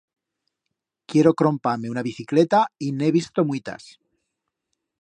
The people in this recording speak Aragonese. Quiero crompar-me una bicicleta y n'he visto muitas.